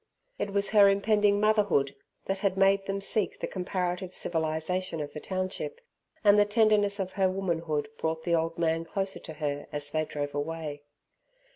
It was her impending motherhood that made them seek the comparative civilization of the township, and the tenderness of her womanhood brought the old man closer to her as they drove away.